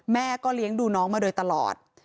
แม่ก็เลี้ยงดูน้องมาโดยตลอด